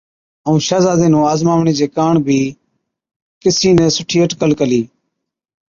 ائُون شهزادي نُون آزماوَڻي چي ڪاڻ بِي ڪِسِي نہ سُٺِي اٽڪل ڪلِي۔